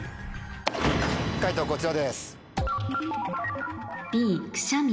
解答こちらです。